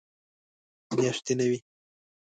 میاشتې نه وي.